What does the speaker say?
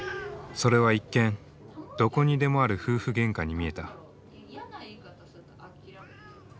それは一見どこにでもある夫婦げんかに見えた。